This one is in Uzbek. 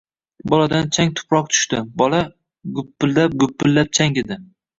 Boladan chang-tuproq tushdi. Bola... gupillab-gupillab changidi!